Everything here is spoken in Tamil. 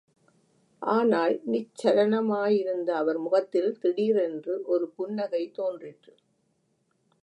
ஆனால், நிச்சலனமாயிருந்த அவர் முகத்தில் திடீரென்று ஒரு புன்னகை தோன்றிற்று.